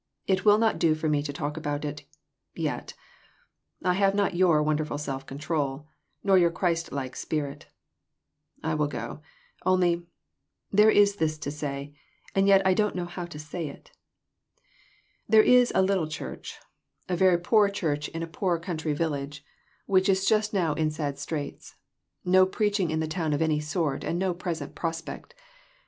" It will not do for me to talk about it, yet ; I have not your wonderful self control, nor your Christ like spirit. I will go; only there is this to say, and yet I don't know how to say it. There is a little church a very poor church in a 352 PRECIPITATION. poor country village which is just now in sad straits ; no preaching in the town of any sort, and no present prospect.